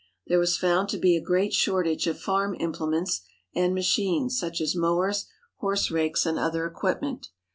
There was found to be a great shortage of farm implements and machines, such as mowers, horse rakes, and other equip ment.